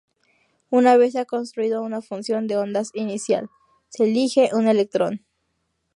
Una vez se ha construido una función de ondas inicial, se elige un electrón.